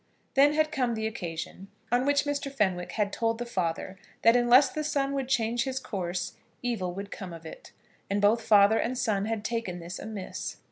Then had come the occasion on which Mr. Fenwick had told the father that unless the son would change his course evil would come of it; and both father and son had taken this amiss.